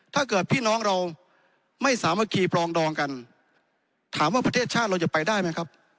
พี่น้องเราไม่สามารถคีปรองดองกันถามว่าประเทศชาติเราจะไปได้ไหมครับ